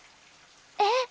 えっ！